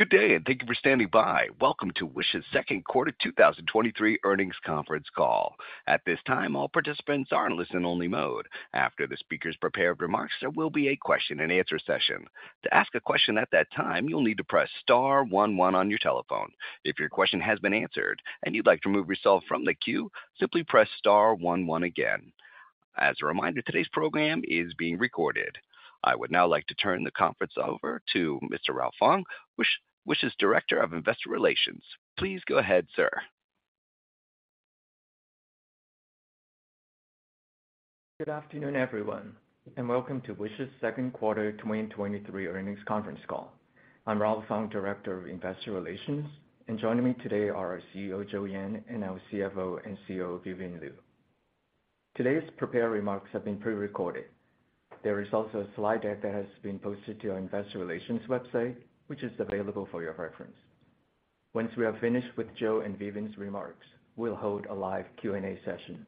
Good day, thank you for standing by. Welcome to Wish's Q2 2023 Earnings Conference Call. At this time, all participants are in listen-only mode. After the speakers' prepared remarks, there will be a question-and-answer session. To ask a question at that time, you'll need to press star one one on your telephone. If your question has been answered and you'd like to remove yourself from the queue, simply press star one one again. As a reminder, today's program is being recorded. I would now like to turn the conference over to Mr. Ralph Fong, Wish's Director of Investor Relations. Please go ahead, sir. Good afternoon, everyone, and welcome to Wish's Q2 2023 Earnings Conference Call. I'm Ralph Fong, Director of Investor Relations, and joining me today are our CEO, Joe Yan, and our CFO and COO, Vivian Liu. Today's prepared remarks have been pre-recorded. There is also a slide deck that has been posted to our investor relations website, which is available for your reference. Once we are finished with Joe and Vivian's remarks, we'll hold a live Q&A session.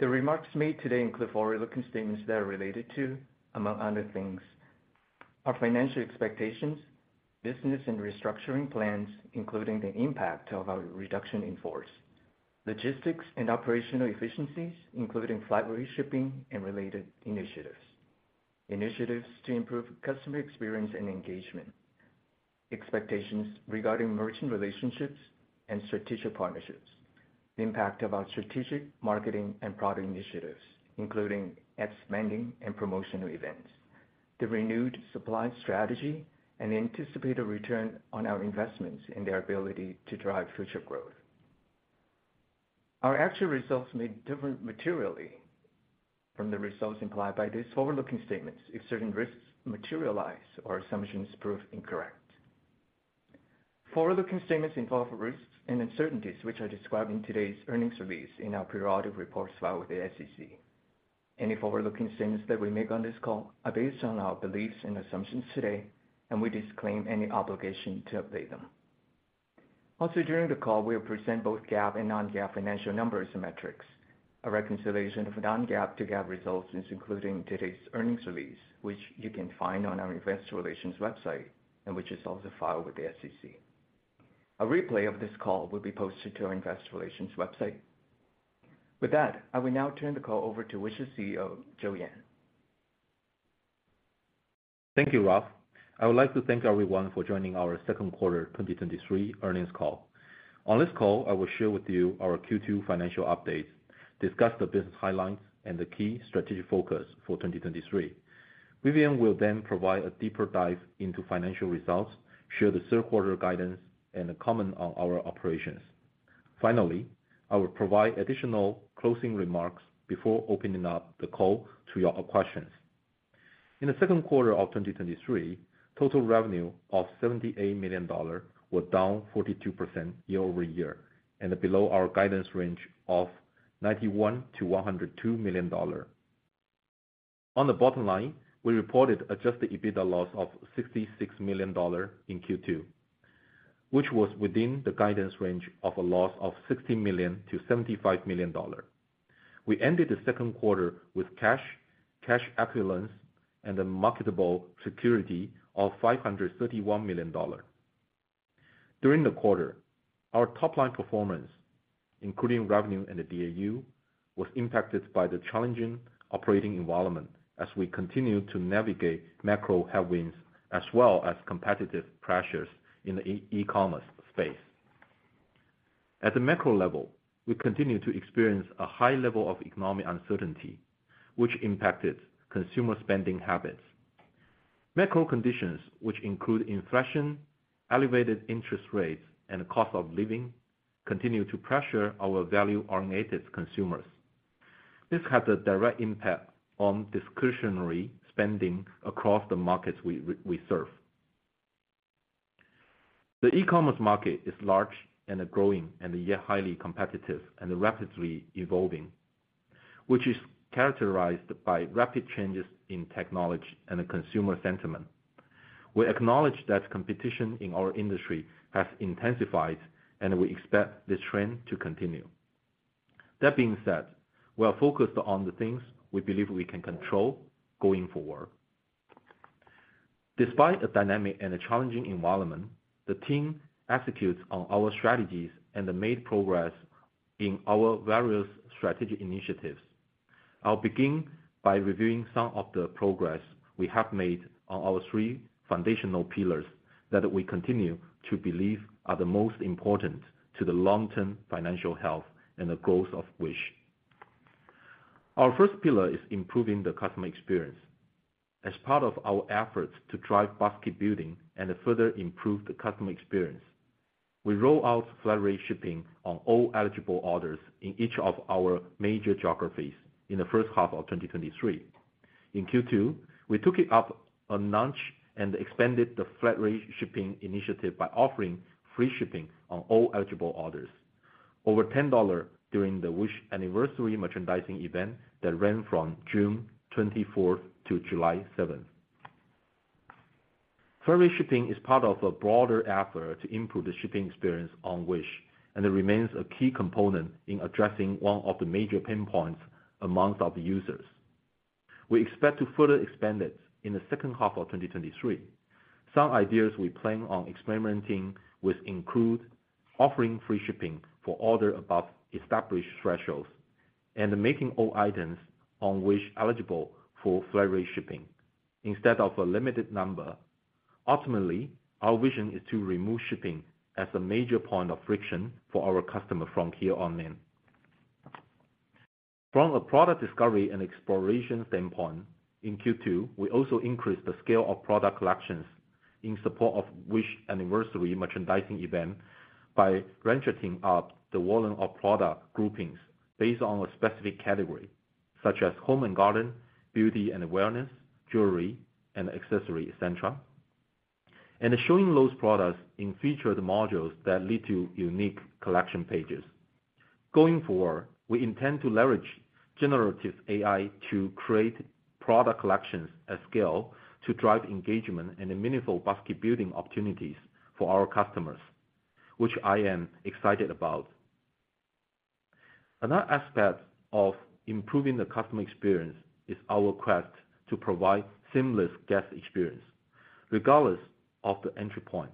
The remarks made today include forward-looking statements that are related to, among other things, our financial expectations, business and restructuring plans, including the impact of our reduction in force, logistics and operational efficiencies, including flat-rate shipping and related initiatives, initiatives to improve customer experience and engagement, expectations regarding merchant relationships and strategic partnerships, the impact of our strategic, marketing, and product initiatives, including ad spending and promotional events, the renewed supply strategy and anticipated return on our investments and their ability to drive future growth. Our actual results may differ materially from the results implied by these forward-looking statements if certain risks materialize or assumptions prove incorrect. Forward-looking statements involve risks and uncertainties, which are described in today's earnings release in our periodic reports filed with the SEC. Any forward-looking statements that we make on this call are based on our beliefs and assumptions today. We disclaim any obligation to update them. Also, during the call, we'll present both GAAP and non-GAAP financial numbers and metrics. A reconciliation of non-GAAP to GAAP results is included in today's earnings release, which you can find on our investor relations website, and which is also filed with the SEC. A replay of this call will be posted to our investor relations website. With that, I will now turn the call over to Wish's CEO, Joe Yan. Thank you, Ralph. I would like to thank everyone for joining our Q2 2023 earnings call. On this call, I will share with you our Q2 financial update, discuss the business highlights, and the key strategic focus for 2023. Vivian will then provide a deeper dive into financial results, share the third quarter guidance, and comment on our operations. Finally, I will provide additional closing remarks before opening up the call to your questions. In the Q2 of 2023, total revenue of $78 million was down 42% year-over-year, and below our guidance range of $91-$102 million. On the bottom line, we reported Adjusted EBITDA loss of $66 million in Q2, which was within the guidance range of a loss of $60-$75 million. We ended the Q2 with cash, cash equivalents, and a marketable security of $531 million. During the quarter, our top-line performance, including revenue and the DAU, was impacted by the challenging operating environment as we continued to navigate macro headwinds, as well as competitive pressures in the e-commerce space. At the macro level, we continued to experience a high level of economic uncertainty, which impacted consumer spending habits. Macro conditions, which include inflation, elevated interest rates, and cost of living, continue to pressure our value-orientated consumers. This has a direct impact on discretionary spending across the markets we serve. Yet highly competitive and rapidly evolving, which is characterized by rapid changes in technology and consumer sentiment. We acknowledge that competition in our industry has intensified. We expect this trend to continue. That being said, we are focused on the things we believe we can control going forward. Despite a dynamic and a challenging environment, the team executes on our strategies and have made progress in our various strategic initiatives. I'll begin by reviewing some of the progress we have made on our three foundational pillars that we continue to believe are the most important to the long-term financial health and the growth of Wish. Our first pillar is improving the customer experience. As part of our efforts to drive basket building and further improve the customer experience, we roll out flat-rate shipping on all eligible orders in each of our major geographies in the first half of 2023. In Q2, we took it up a notch and expanded the flat-rate shipping initiative by offering free shipping on all eligible orders over $10 during the Wish Anniversary merchandising event that ran from June 24th to July 7th. Flat-rate shipping is part of a broader effort to improve the shipping experience on Wish. It remains a key component in addressing one of the major pain points amongst our users. We expect to furthr expand it in the second half of 2023. Some ideas we plan on experimenting with include offering free shipping for order above established thresholds, and making all items on Wish eligible for flat-rate shipping instead of a limited number. Ultimately, our vision is to remove shipping as a major point of friction for our customer from here on in. From a product discovery and exploration standpoint, in Q2, we also increased the scale of product collections in support of Wish Anniversary Sale by ratcheting up the volume of product groupings based on a specific category, such as home and garden, beauty and wellness, jewelry and accessories, et cetera. Showing those products in featured modules that lead to unique collection pages. Going forward, we intend to leverage generative AI to create product collections at scale, to drive engagement and meaningful basket building opportunities for our customers, which I am excited about. Another aspect of improving the customer experience is our quest to provide seamless guest experience, regardless of the entry point.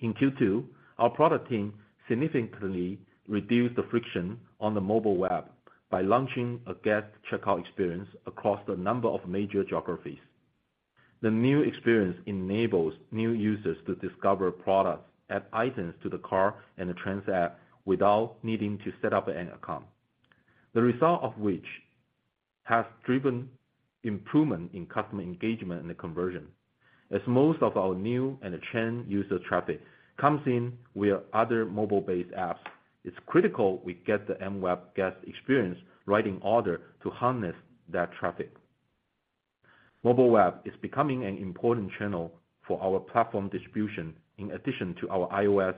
In Q2, our product team significantly reduced the friction on the mobile web by launching a guest checkout experience across a number of major geographies. The new experience enables new users to discover products, add items to the cart, and transact without needing to set up an account. The result of which has driven improvement in customer engagement and conversion. As most of our new and trend user traffic comes in via other mobile-based apps, it's critical we get the mWeb guest experience right in order to harness that traffic. Mobile web is becoming an important channel for our platform distribution, in addition to our iOS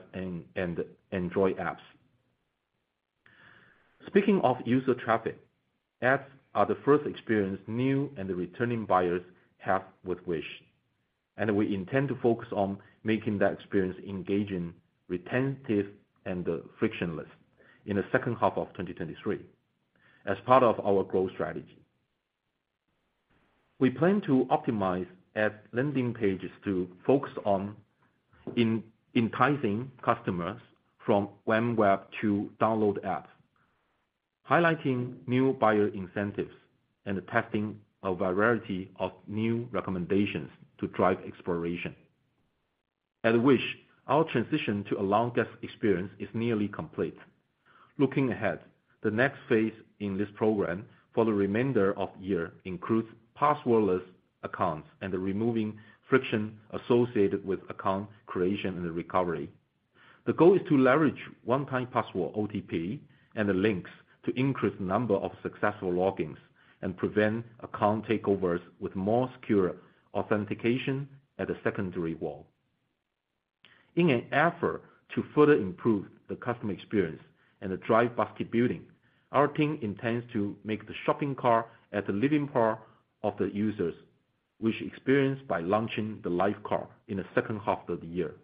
and Android apps. Speaking of user traffic, apps are the first experience new and returning buyers have with Wish, and we intend to focus on making that experience engaging, retentive, and frictionless in the second half of 2023, as part of our growth strategy. We plan to optimize ad landing pages to focus on enticing customers from mWeb to download apps, highlighting new buyer incentives and testing a variety of new recommendations to drive exploration. At Wish, our transition to allow guest experience is nearly complete. Looking ahead, the next phase in this program for the remainder of the year includes passwordless accounts and removing friction associated with account creation and recovery. The goal is to leverage one-time password, OTP, and the links to increase the number of successful logins and prevent account takeovers with more secure authentication at the secondary wall. In an effort to further improve the customer experience and drive basket building, our team intends to make the shopping cart as a living part of the users Wish experience by launching the live cart in the second half of the year.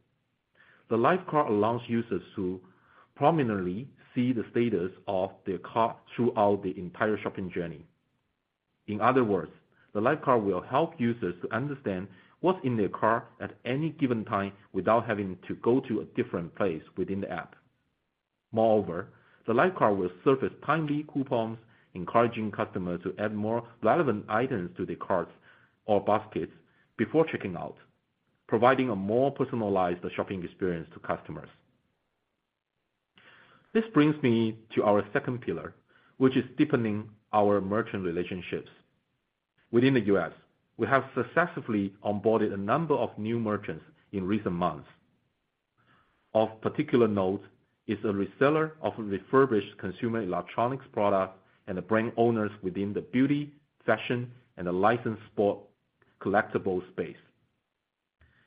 The live cart allows users to prominently see the status of their cart throughout the entire shopping journey. In other words, the live cart will help users to understand what's in their cart at any given time without having to go to a different place within the app. Moreover, the live cart will surface timely coupons, encouraging customers to add more relevant items to their carts or baskets before checking out, providing a more personalized shopping experience to customers. This brings me to our second pillar, which is deepening our merchant relationships. Within the US, we have successfully onboarded a number of new merchants in recent months. Of particular note is a reseller of refurbished consumer electronics products and the brand owners within the beauty, fashion, and licensed sports collectibles space.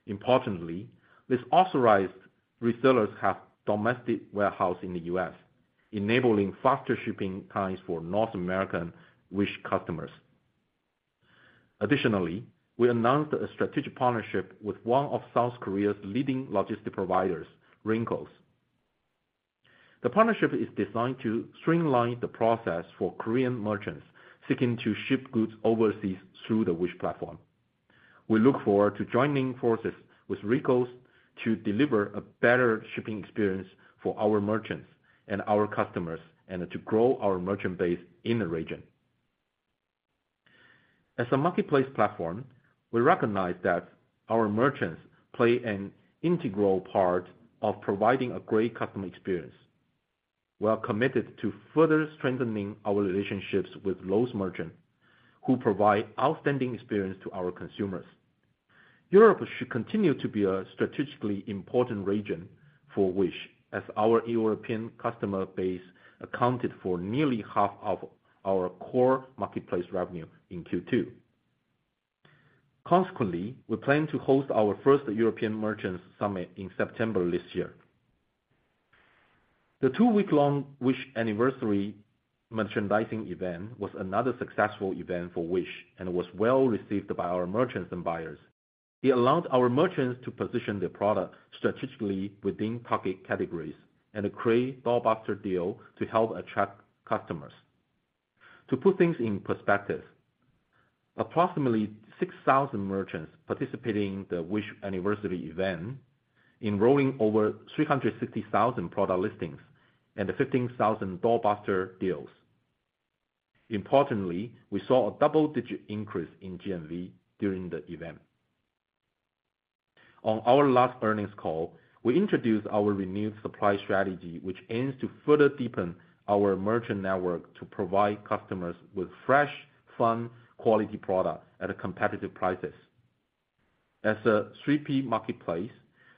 Importantly, these authorized resellers have domestic warehouse in the US, enabling faster shipping times for North American Wish customers. Additionally, we announced a strategic partnership with one of South Korea's leading logistics providers, Rincos. The partnership is designed to streamline the process for Korean merchants seeking to ship goods overseas through the Wish platform. We look forward to joining forces with Rincos to deliver a better shipping experience for our merchants and our customers, and to grow our merchant base in the region. As a marketplace platform, we recognize that our merchants play an integral part of providing a great customer experience. We are committed to further strengthening our relationships with those merchants who provide outstanding experience to our consumers. Europe should continue to be a strategically important region for Wish, as our European customer base accounted for nearly half of our core marketplace revenue in se. Consequently, we plan to host our first European Merchant Summit in september this year. The two-week-long Wish Anniversary merchandising event was another successful event for Wish and was well received by our merchants and buyers. It allows our merchants to position their products strategically within target categories and create doorbuster deal to help attract customers. To put things in perspective, approximately 6,000 merchants participating in the Wish Anniversary event, enrolling over 360,000 product listings and 15,000 doorbuster deals. Importantly, we saw a double-digit increase in GMV during the event. On our last earnings call, we introduced our renewed supply strategy, which aims to further deepen our merchant network to provide customers with fresh, fun, quality product at competitive prices. As a 3P marketplace,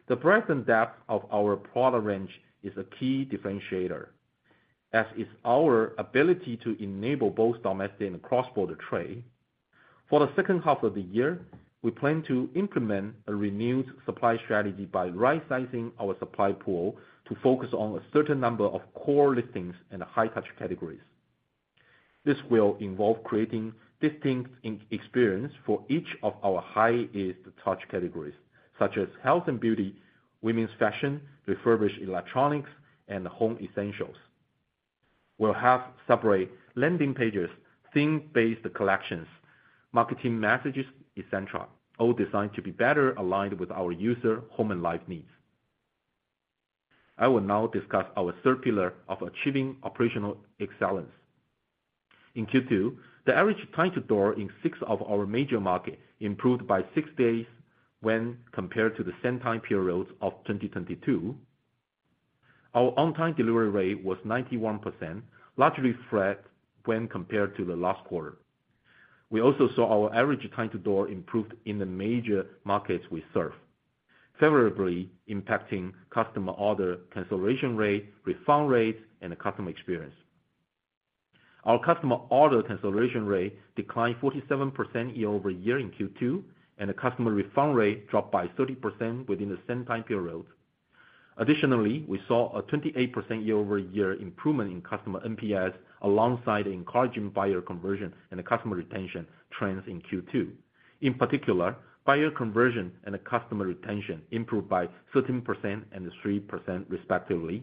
the breadth and depth of our product range is a key differentiator, as is our ability to enable both domestic and cross-border trade. For the second half of the year, we plan to implement a renewed supply strategy by right-sizing our supply pool to focus on a certain number of core listings and high-touch categories. This will involve creating distinct experience for each of our highest touch categories, such as health and beauty, women's fashion, refurbished electronics, and home essentials. We'll have separate landing pages, theme-based collections, marketing messages, et cetera, all designed to be better aligned with our user home and life needs. I will now discuss our third pillar of achieving operational excellence. In Q2, the average time to door in six of our major markets improved by six days when compared to the same time periods of 2022. Our on-time delivery rate was 91%, largely flat when compared to the last quarter. We also saw our average time to door improved in the major markets we serve, favorably impacting customer order cancellation rate, refund rates, and customer experience. Our customer order cancellation rate declined 47% year-over-year in se, and the customer refund rate dropped by 30% within the same time period. Additionally, we saw a 28% year-over-year improvement in customer NPS, alongside encouraging buyer conversion and customer retention trends in Q2. In particular, buyer conversion and customer retention improved by 13% and 3%, respectively,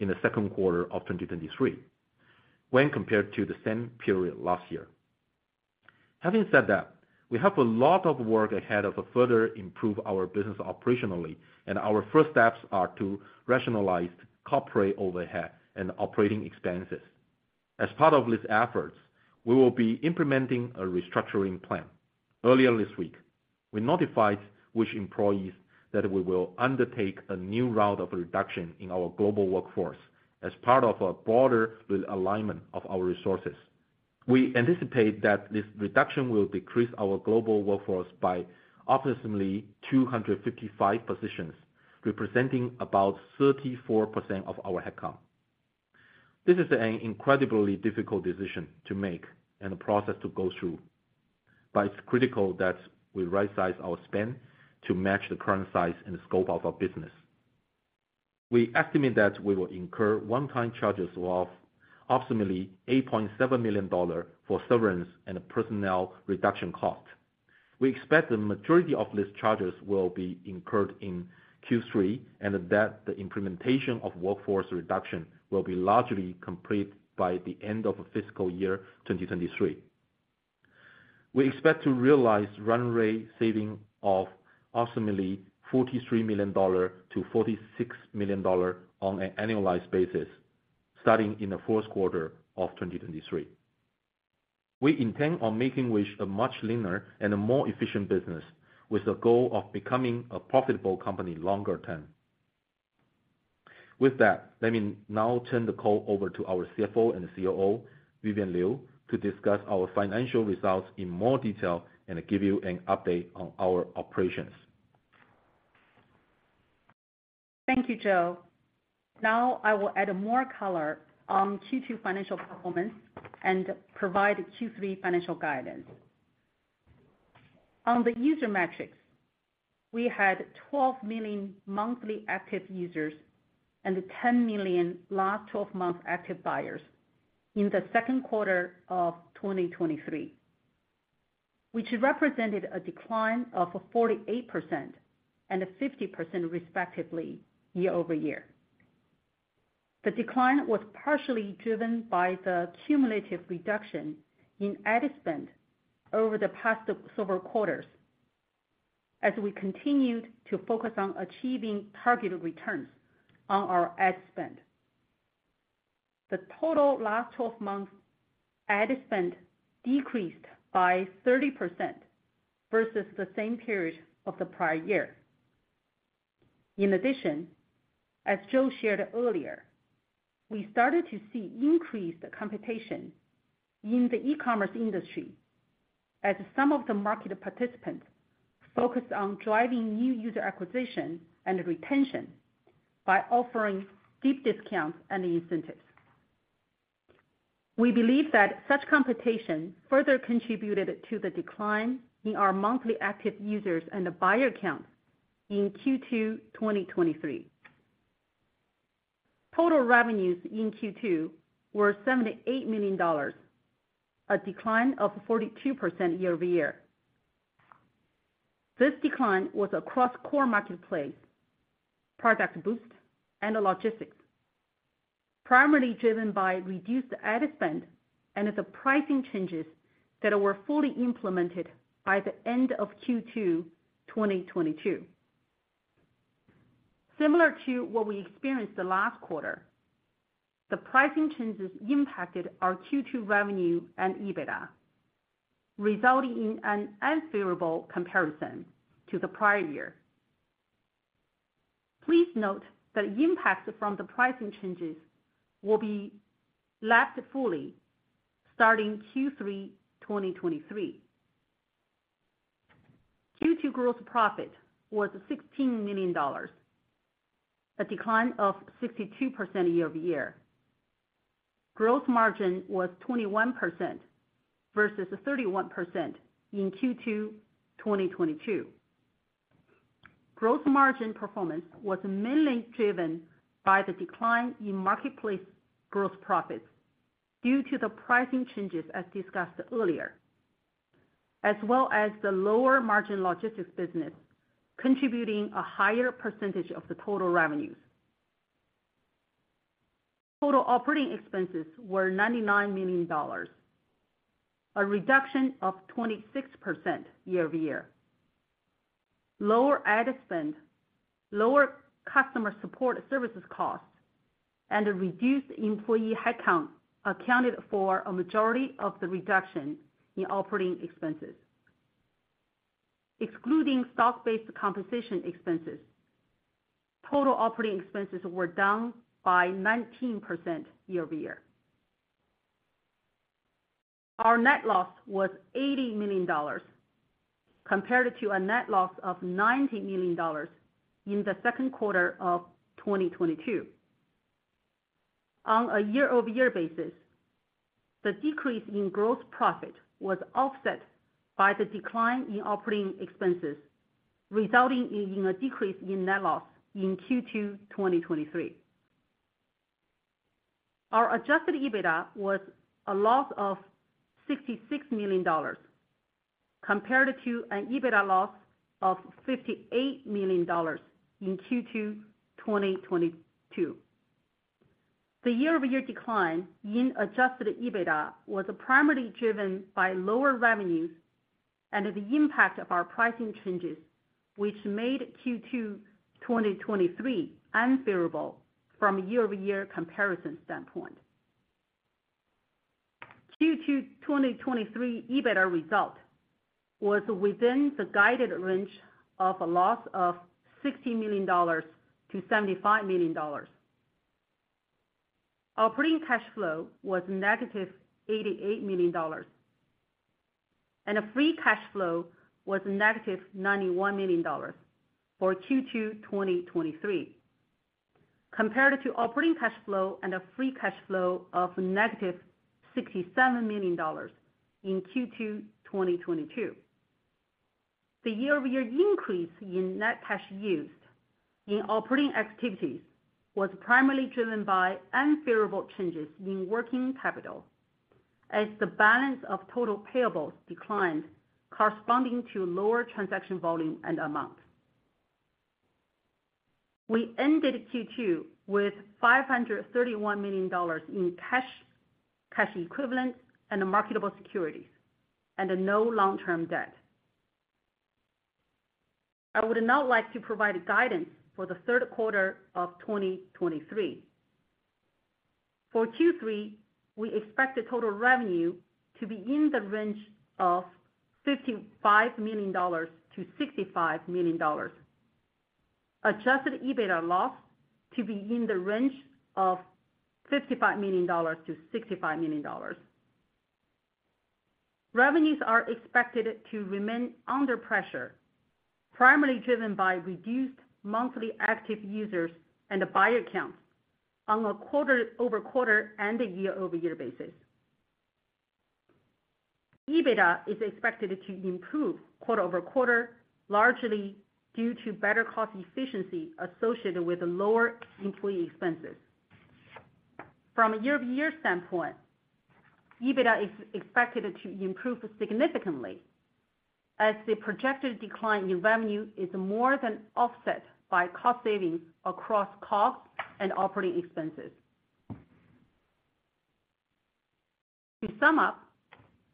in the Q2 of 2023, when compared to the same period last year. Having said that, we have a lot of work ahead of us to further improve our business operationally, and our first steps are to rationalize corporate overhead and operating expenses. As part of these efforts, we will be implementing a restructuring plan. Earlier this week, we notified Wish employees that we will undertake a new round of reduction in our global workforce as part of a broader business alignment of our resources. We anticipate that this reduction will decrease our global workforce by approximately 255 positions, representing about 34% of our headcount. This is an incredibly difficult decision to make and a process to go through, but it's critical that we rightsize our spend to match the current size and scope of our business. We estimate that we will incur one-time charges of approximately $8.7 million for severance and personnel reduction costs. We expect the majority of these charges will be incurred in Q3, and that the implementation of workforce reduction will be largely complete by the end of fiscal year 2023. We expect to realize run rate saving of approximately $43-$46 million on an annualized basis starting in the fourth quarter of 2023. We intend on making Wish a much leaner and a more efficient business, with the goal of becoming a profitable company longer term. With that, let me now turn the call over to our CFO and COO, Vivian Liu, to discuss our financial results in more detail and give you an update on our operations. Thank you, Joe. Now, I will add more color on se financial performance and provide Q3 financial guidance. On the user metrics, we had 12 million monthly active users and 10 million last twelve-month active buyers in the Q2 of 2023, which represented a decline of 48% and 50%, respectively, year-over-year. The decline was partially driven by the cumulative reduction in ad spend over the past several quarters as we continued to focus on achieving targeted returns on our ad spend. The total last 12 months ad spend decreased by 30% versus the same period of the prior year. In addition, as Joe shared earlier, I started to see increased competition in the e-commerce industry as some of the market participants focused on driving new user acquisition and retention by offering deep discounts and incentives. We believe that such competition further contributed to the decline in our monthly active users and the buyer count in se 2023. Total revenues in se were $78 million, a decline of 42% year-over-year. This decline was across core marketplace, ProductBoost, and logistics, primarily driven by reduced ad spend and the pricing changes that were fully implemented by the end of se 2022. Similar to what we experienced the last quarter, the pricing changes impacted our se revenue and EBITDA, resulting in an unfavorable comparison to the prior year. Please note that impacts from the pricing changes will be lapped fully starting Q3 2023. se gross profit was $16 million, a decline of 62% year-over-year. Gross margin was 21% versus 31% in se 2022. Gross margin performance was mainly driven by the decline in marketplace gross profits due to the pricing changes, as discussed earlier, as well as the lower margin logistics business, contributing a higher % of the total revenues. Total operating expenses were $99 million, a reduction of 26% year-over-year. Lower ad spend, lower customer support services costs, and a reduced employee headcount accounted for a majority of the reduction in operating expenses. Excluding stock-based compensation expenses, total operating expenses were down by 19% year-over-year. Our net loss was $80 million, compared to a net loss of $90 million in the Q2 of 2022. On a year-over-year basis, the decrease in gross profit was offset by the decline in operating expenses, resulting in a decrease in net loss in Q2 2023. Our adjusted EBITDA was a loss of $66 million, compared to an EBITDA loss of $58 million in Q2 2022. The year-over-year decline in adjusted EBITDA was primarily driven by lower revenues and the impact of our pricing changes, which made Q2 2023 unfavorable from a year-over-year comparison standpoint. Q2 2023 EBITDA result was within the guided range of a loss of $60-$75 million. Operating cash flow was negative $88 million, and a free cash flow was negative $91 million for Q2 2023, compared to operating cash flow and a free cash flow of negative $67 million in Q2 2022. The year-over-year increase in net cash used in operating activities was primarily driven by unfavorable changes in working capital, as the balance of total payables declined, corresponding to lower transaction volume and amount. We ended se with $531 million in cash, cash equivalents, and marketable securities, and no long-term debt. I would now like to provide guidance for the Q3 of 2023. For Q3, we expect the total revenue to be in the range of $55-$65 million. Adjusted EBITDA loss to be in the range of $55-$65 million. Revenues are expected to remain under pressure, primarily driven by reduced monthly active users and buyer counts on a quarter-over-quarter and a year-over-year basis. EBITDA is expected to improve quarter-over-quarter, largely due to better cost efficiency associated with lower employee expenses. From a year-over-year standpoint, EBITDA is expected to improve significantly, as the projected decline in revenue is more than offset by cost savings across costs and operating expenses. To sum up,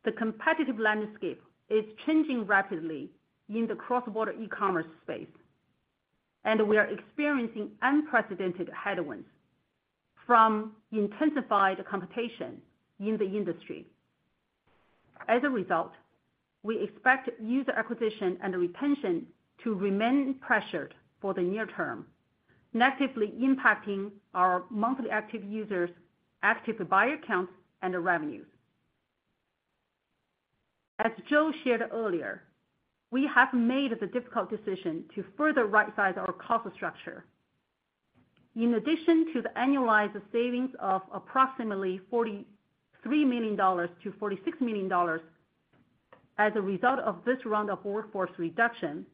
the competitive landscape is changing rapidly in the cross-border e-commerce space, and we are experiencing unprecedented headwinds from intensified competition in the industry. As a result, we expect user acquisition and retention to remain pressured for the near term, negatively impacting our monthly active users, active buyer counts, and revenues. As Joe shared earlier, we have made the difficult decision to further rightsize our cost structure. In addition to the annualized savings of approximately $43-$46 million as a result of this round of workforce reduction,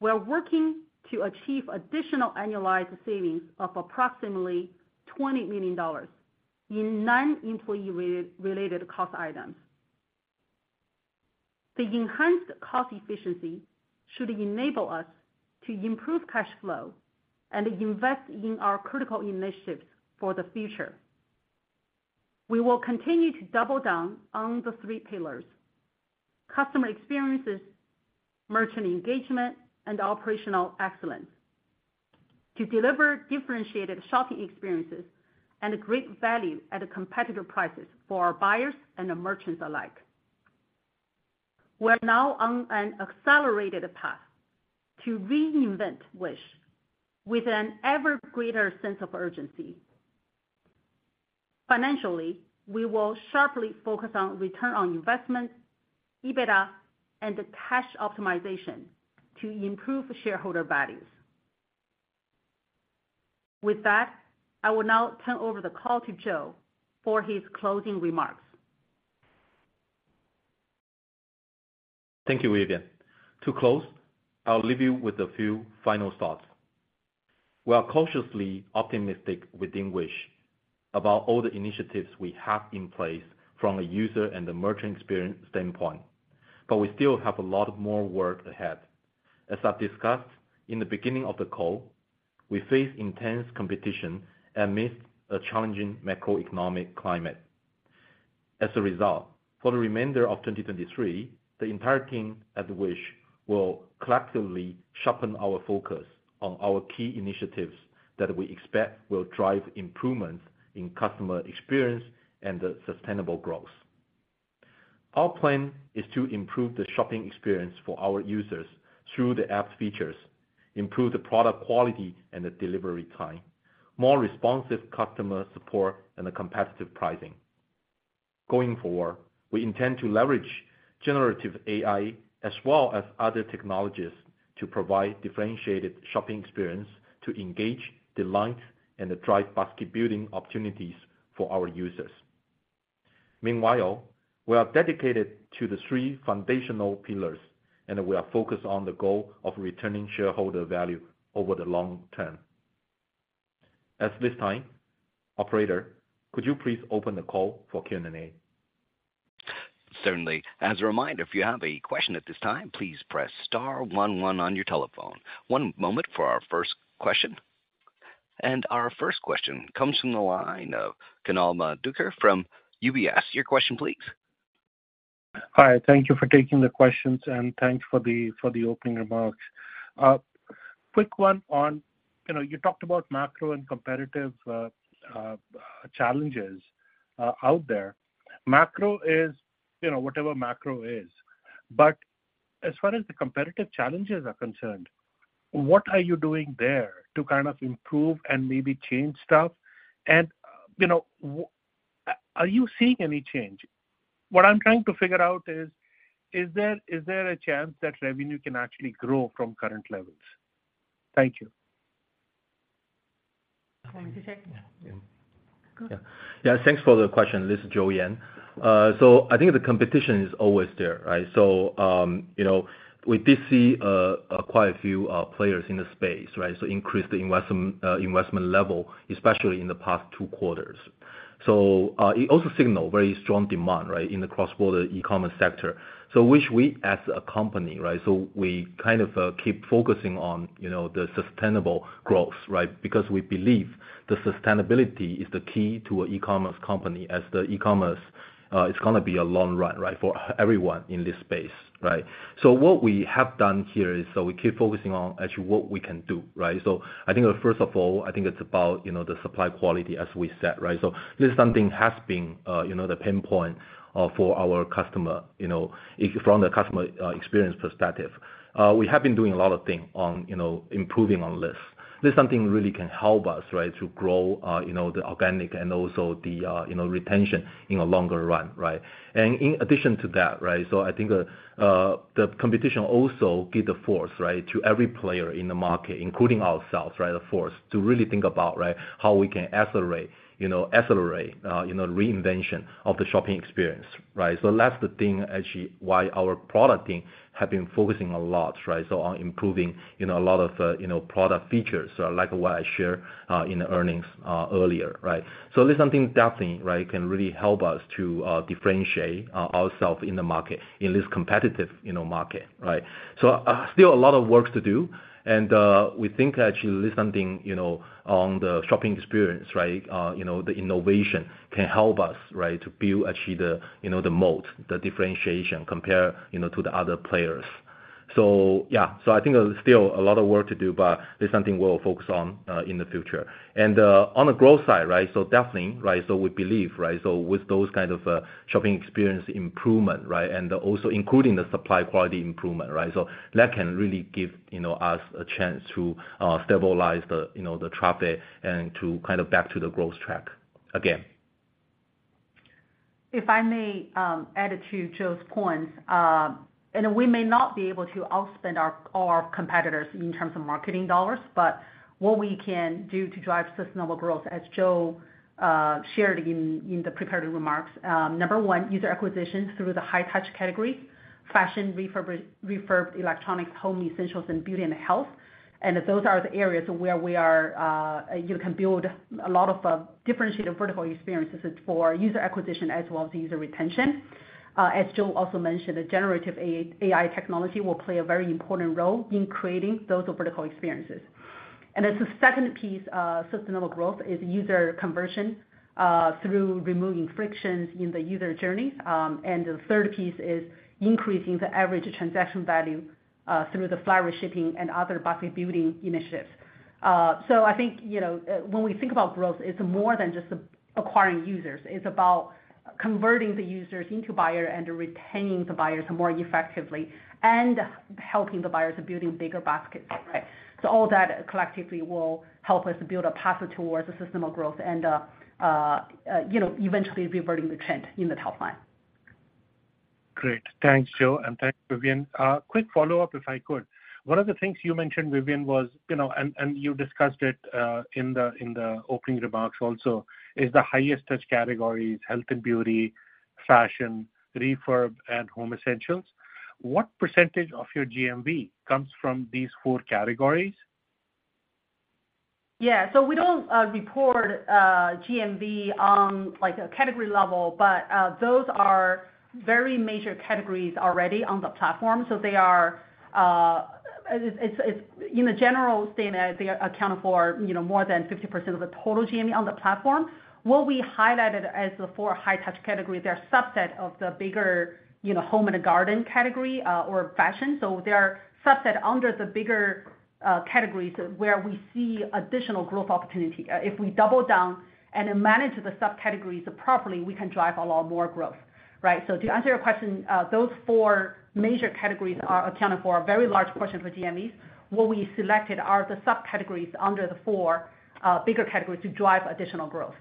we're working to achieve additional annualized savings of approximately $20 million in non-employee re-related cost items. The enhanced cost efficiency should enable us to improve cash flow and invest in our critical initiatives for the future. We will continue to double down on the three pillars: customer experiences, merchant engagement, and operational excellence, to deliver differentiated shopping experiences and great value at competitive prices for our buyers and the merchants alike. We're now on an accelerated path to reinvent Wish with an ever greater sense of urgency. Financially, we will sharply focus on return on investment, EBITDA, and the cash optimization to improve shareholder values. With that, I will now turn over the call to Joe for his closing remarks. Thank you, Vivian. To close, I'll leave you with a few final thoughts. We are cautiously optimistic within Wish about all the initiatives we have in place from a user and the merchant experience standpoint, but we still have a lot more work ahead. As I've discussed in the beginning of the call, we face intense competition amidst a challenging macroeconomic climate. As a result, for the remainder of 2023, the entire team at Wish will collectively sharpen our focus on our key initiatives that we expect will drive improvements in customer experience and the sustainable growth. Our plan is to improve the shopping experience for our users through the app's features, improve the product quality and the delivery time, more responsive customer support, and the competitive pricing. Going forward, we intend to leverage generative AI as well as other technologies to provide differentiated shopping experience to engage, delight, and drive basket building opportunities for our users. Meanwhile, we are dedicated to the three foundational pillars, and we are focused on the goal of returning shareholder value over the long term. At this time, operator, could you please open the call for Q&A? Certainly. As a reminder, if you have a question at this time, please press star one one on your telephone. One moment for our first question. Our first question comes from the line of Kunal Madhukar from UBS. Your question please. Hi, thank you for taking the questions, and thanks for the, for the opening remarks. Quick one on, you know, you talked about macro and competitive challenges out there. Macro is, you know, whatever macro is. As far as the competitive challenges are concerned, what are you doing there to kind of improve and maybe change stuff? You know, are you seeing any change? What I'm trying to figure out is, is there, is there a chance that revenue can actually grow from current levels? Thank you. Do you want me to take? Yeah. Yeah. Go ahead. Yeah, thanks for the question. This is Joe Yan. I think the competition is always there, right? You know, we did see quite a few players in the space, right? Increased the investment, investment level, especially in the past two quarters. It also signal very strong demand, right, in the cross-border e-commerce sector. Wish we as a company, right? We kind of keep focusing on, you know, the sustainable growth, right? Because we believe the sustainability is the key to an e-commerce company, as the e-commerce is gonna be a long run, right, for everyone in this space, right? What we have done here is, we keep focusing on actually what we can do, right? I think first of all, I think it's about, you know, the supply quality as we said, right. This is something has been, you know, the pinpoint for our customer, you know, from the customer experience perspective. We have been doing a lot of things on, you know, improving on this. This is something really can help us, right, to grow, you know, the organic and also the, you know, retention in the longer run, right. In addition to that, right, I think, the competition also give the force, right, to every player in the market, including ourselves, right. A force to really think about, right, how we can accelerate, you know, accelerate, you know, reinvention of the shopping experience, right. That's the thing, actually, why our product team have been focusing a lot, right. On improving, you know, a lot of, you know, product features, like what I shared in the earnings earlier, right? This is something definitely, right, can really help us to differentiate ourself in the market, in this competitive, you know, market, right? Still a lot of work to do, and we think actually this is something, you know, on the shopping experience, right, you know, the innovation can help us, right, to build actually the, you know, the moat, the differentiation compare, you know, to the other players. Yeah, I think there's still a lot of work to do, but this is something we'll focus on in the future. On the growth side, right, definitely, right? We believe, right, with those kind of shopping experience improvement, right? Also including the supply quality improvement, right? That can really give, you know, us a chance to stabilize the, you know, the traffic and to kind of back to the growth track again. If I may add to Joe's points, we may not be able to outspend our competitors in terms of marketing dollars, but what we can do to drive sustainable growth, as Joe shared in the prepared remarks. Number one, user acquisitions through the high touch category, fashion, refurbished electronics, Home Essentials, and beauty and health. Those are the areas where you can build a lot of differentiated vertical experiences for user acquisition as well as user retention. As Joe also mentioned, the generative AI technology will play a very important role in creating those vertical experiences. As the second piece of sustainable growth is user conversion through removing frictions in the user journey. The third piece is increasing the average transaction value through the flat-rate shipping and other basket building initiatives. I think, you know, when we think about growth, it's more than just acquiring users. It's about converting the users into buyer and retaining the buyers more effectively and helping the buyers building bigger baskets, right? All that collectively will help us build a pathway towards a system of growth and, you know, eventually reverting the trend in the top line. Great. Thanks, Joe, and thanks, Vivian. Quick follow-up, if I could. One of the things you mentioned, Vivian, was, you know, and, and you discussed it, in the, in the opening remarks also, is the highest touch categories, health and beauty, fashion, refurb and Home Essentials. What % of your GMV comes from these 4 categories? Yeah. We don't report GMV on, like, a category level, but those are very major categories already on the platform. They are, in a general statement, they account for, you know, more than 50% of the total GMV on the platform. What we highlighted as the four high touch categories, they're a subset of the bigger, you know, home and garden category, or fashion. They are subset under the bigger categories where we see additional growth opportunity. If we double down and manage the subcategories properly, we can drive a lot more growth, right? To answer your question, those four major categories are accounting for a very large portion of the GMVs. What we selected are the subcategories under the four bigger categories to drive additional growth.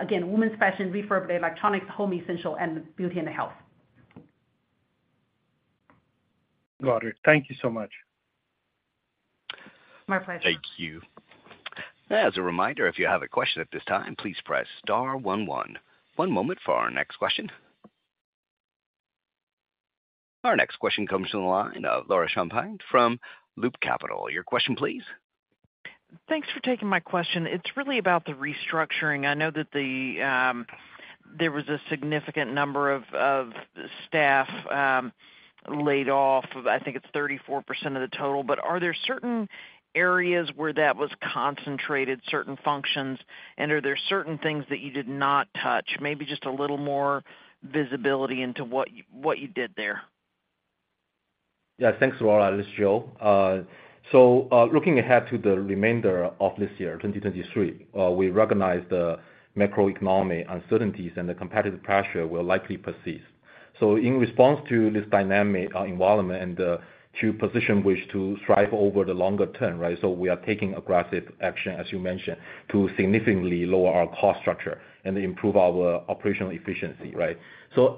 Again, women's fashion, refurbed electronics, Home Essential, and beauty and health. Got it. Thank you so much. My pleasure. Thank you. As a reminder, if you have a question at this time, please press star one, one. One moment for our next question. Our next question comes from the line of Laura Champine from Loop Capital. Your question, please. Thanks for taking my question. It's really about the restructuring. I know that the, there was a significant number of staff laid off. I think it's 34% of the total. Are there certain areas where that was concentrated, certain functions? Are there certain things that you did not touch? Maybe just a little more visibility into what you did there. Yeah. Thanks, Laura, this is Joe. Looking ahead to the remainder of this year, 2023, we recognize the macroeconomic uncertainties and the competitive pressure will likely persist. In response to this dynamic environment and to position Wish to thrive over the longer term, right? We are taking aggressive action, as you mentioned, to significantly lower our cost structure and improve our operational efficiency, right?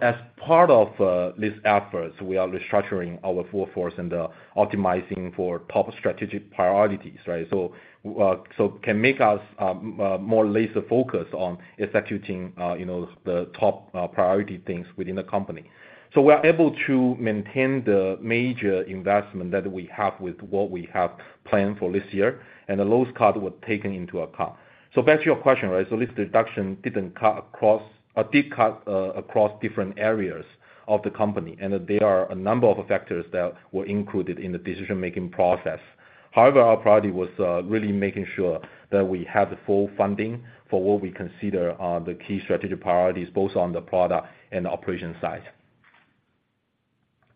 As part of this efforts, we are restructuring our workforce and optimizing for top strategic priorities, right? can make us more laser focused on executing, you know, the top priority things within the company. We're able to maintain the major investment that we have with what we have planned for this year, and the lowest cost was taken into account. Back to your question, right? This reduction didn't cut across, or did cut, across different areas of the company, and there are a number of factors that were included in the decision-making process. However, our priority was really making sure that we had the full funding for what we consider are the key strategic priorities, both on the product and the operation side.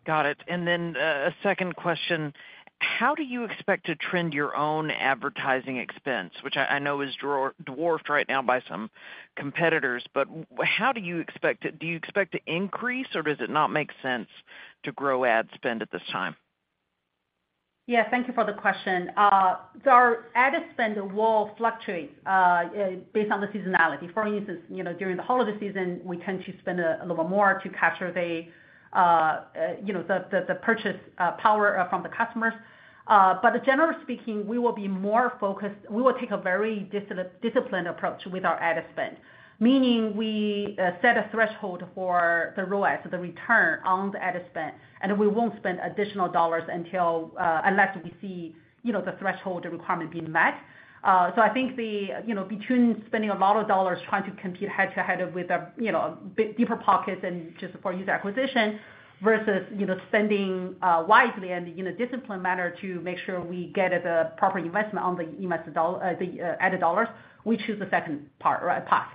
Got it. A second question: How do you expect to trend your own advertising expense, which I, I know is dwarfed right now by some competitors, but how do you expect it? Do you expect to increase, or does it not make sense to grow ad spend at this time? Thank you for the question. Our ad spend will fluctuate based on the seasonality. For instance, you know, during the holiday season, we tend to spend a little more to capture the, you know, the, the, the purchase power from the customers. Generally speaking, we will be more focused. We will take a very disciplined approach with our ad spend, meaning we set a threshold for the ROAS, the return on the ad spend, and we won't spend additional dollars until unless we see, you know, the threshold requirement being met. I think the, you know, between spending a lot of dollars trying to compete head-to-head with a, you know, bit deeper pockets and just for user acquisition, versus, you know, spending, wisely and in a disciplined manner to make sure we get the proper investment on the invested dollars, the added dollars, we choose the second part, right, path.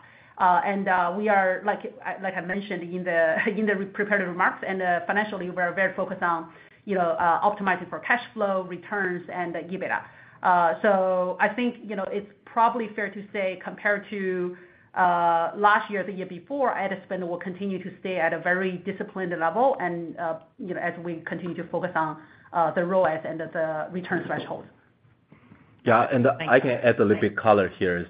We are, like, like I mentioned in the, in the prepared remarks, and, financially, we're very focused on, you know, optimizing for cash flow, returns and the EBITDA. I think, you know, it's probably fair to say, compared to, last year or the year before, ad spend will continue to stay at a very disciplined level and, you know, as we continue to focus on, the ROAS and the return thresholds. Yeah, and I can add a little bit color here is,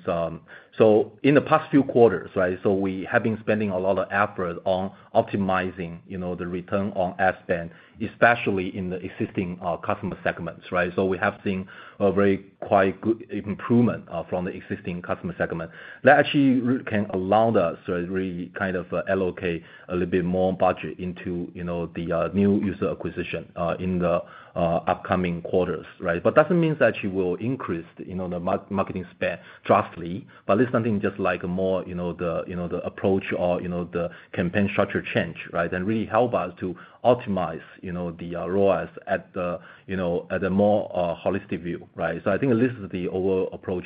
in the past few quarters, right? We have been spending a lot of effort on optimizing, you know, the return on ad spend, especially in the existing customer segments, right? We have seen a very quite good improvement from the existing customer segment. That actually can allowed us to really kind of allocate a little bit more budget into, you know, the new user acquisition in the upcoming quarters, right? Doesn't mean that you will increase, you know, the marketing spend drastically, but it's something just like more, you know, the, you know, the approach or, you know, the campaign structure change, right? Really help us to optimize, you know, the ROAS at the, you know, at a more holistic view, right? I think this is the overall approach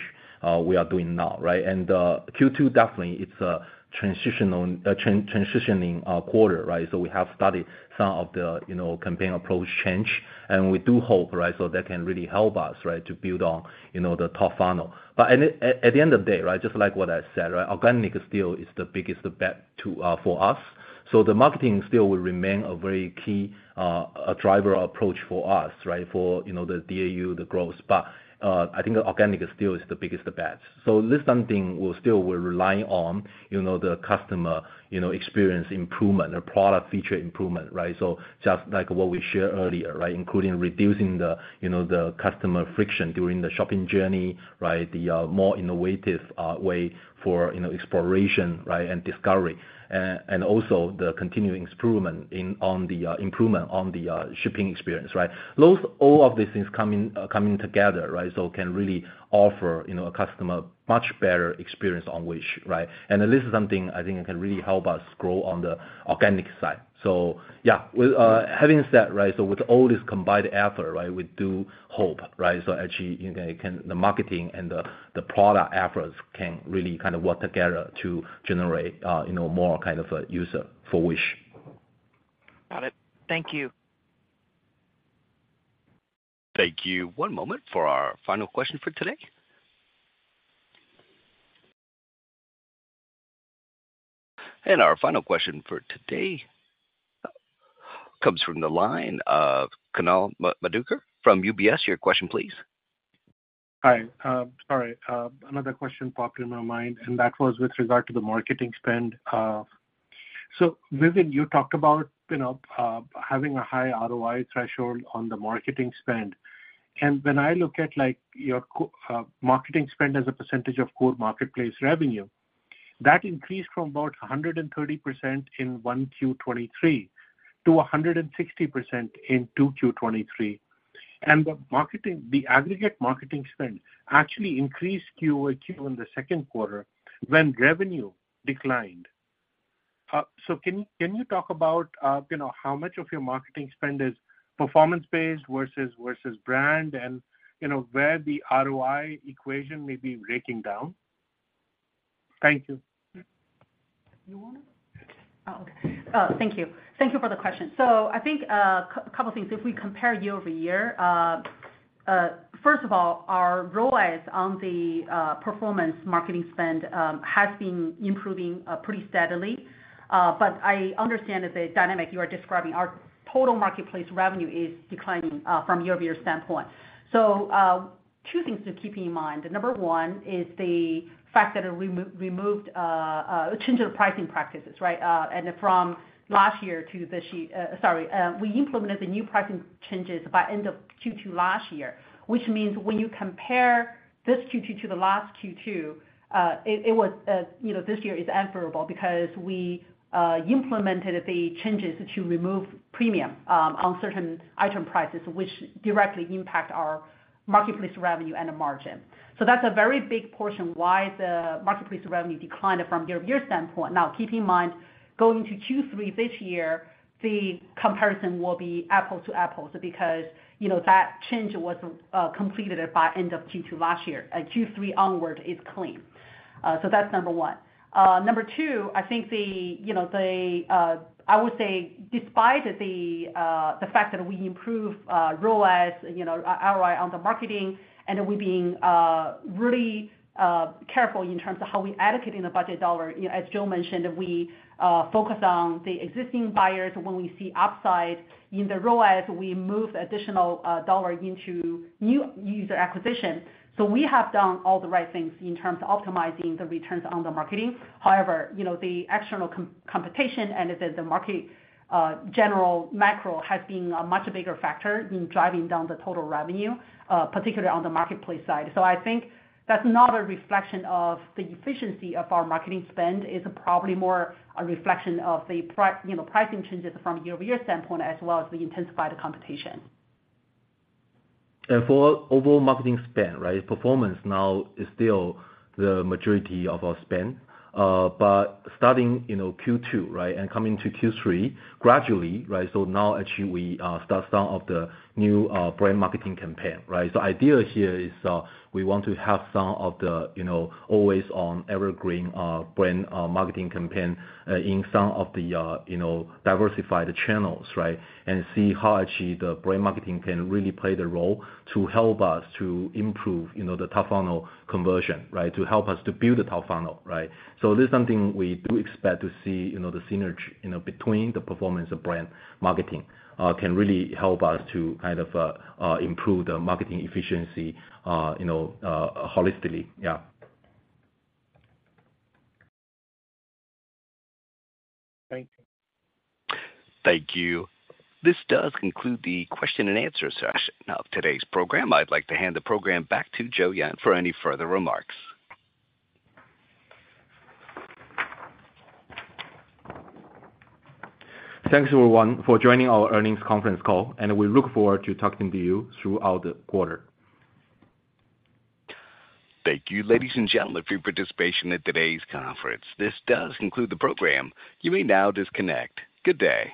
we are doing now, right? se definitely it's a transitional transitioning quarter, right? We have studied some of the, you know, campaign approach change, and we do hope, right, that can really help us, right, to build on, you know, the top funnel. At the end of the day, right, just like what I said, right, organic still is the biggest bet for us. The marketing still will remain a very key driver approach for us, right, for, you know, the DAU, the growth. I think organic still is the biggest bet. This something we still will rely on, you know, the customer, you know, experience improvement or product feature improvement, right? Just like what we shared earlier, right? Including reducing the, you know, the customer friction during the shopping journey, right? The more innovative way for, you know, exploration, right, and discovery, and also the continuing improvement on the shipping experience, right? Those all of these things coming, coming together, right, so can really offer, you know, a customer much better experience on Wish, right? This is something I think can really help us grow on the organic side. Yeah, with having said, right, so with all this combined effort, right, we do hope, right, actually, you know, can the marketing and the product efforts can really kind of work together to generate, you know, more kind of a user for Wish. Got it. Thank you. Thank you. One moment for our final question for today. Our final question for today comes from the line of Kunal Madhukar from UBS. Your question, please. Hi. Sorry, another question popped in my mind, and that was with regard to the marketing spend. So Vivian, you talked about, you know, having a high ROI threshold on the marketing spend. And when I look at, like, your marketing spend as a percentage of core marketplace revenue, that increased from about 130% in 1Q23 to 160% in Q2 to Q3. And the marketing, the aggregate marketing spend actually increased quarter-over-quarter in the Q2 when revenue declined. So can you talk about, you know, how much of your marketing spend is performance-based versus, versus brand, and, you know, where the ROI equation may be breaking down? Thank you. You want to? Oh, okay. Thank you. Thank you for the question. I think, a couple things. If we compare year-over-year, first of all, our ROIs on the performance marketing spend has been improving pretty steadily. I understand that the dynamic you are describing, our total marketplace revenue is declining from year-over-year standpoint. Two things to keep in mind. Number one is the fact that we removed, changed our pricing practices, right? From last year to this year, we implemented the new pricing changes by end of se last year, which means when you compare this se to the last se, you know, this year is unfavorable because we implemented the changes to remove premium on certain item prices, which directly impact our marketplace revenue and the margin. That's a very big portion why the marketplace revenue declined from year-over-year standpoint. Keep in mind, going to Q3 this year, the comparison will be apple to apples, because, you know, that change was completed by end of se last year. Q3 onward is clean. That's number 1. Number two, I think the, you know, the, I would say despite the fact that we improve ROAS, you know, ROI on the marketing, and we being really careful in terms of how we allocating the budget dollar. You know, as Joe mentioned, we focus on the existing buyers when we see upside in the ROAS, we move additional dollar into new user acquisition. We have done all the right things in terms of optimizing the returns on the marketing. However, you know, the external competition and the, the market, general macro has been a much bigger factor in driving down the total revenue, particularly on the marketplace side. I think that's not a reflection of the efficiency of our marketing spend, it's probably more a reflection of the you know, pricing changes from year-over-year standpoint, as well as the intensified competition. For overall marketing spend, right, performance now is still the majority of our spend. Starting, you know, Q2, right, and coming to Q3 gradually, right? Now actually we start some of the new brand marketing campaign, right? Idea here is, we want to have some of the, you know, always on evergreen brand marketing campaign in some of the, you know, diversified channels, right? see how actually the brand marketing can really play the role to help us to improve, you know, the top funnel conversion, right? To help us to build the top funnel, right? This is something we do expect to see, you know, the synergy, you know, between the performance of brand marketing can really help us to kind of improve the marketing efficiency, you know, holistically. Yeah. Thank you. Thank you. This does conclude the question and answer session of today's program. I'd like to hand the program back to Joe Yan for any further remarks. Thanks, everyone, for joining our earnings conference call. We look forward to talking to you throughout the quarter. Thank you, ladies and gentlemen, for your participation in today's conference. This does conclude the program. You may now disconnect. Good day!